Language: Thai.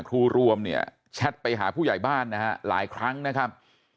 รวมเนี่ยแชทไปหาผู้ใหญ่บ้านนะฮะหลายครั้งนะครับ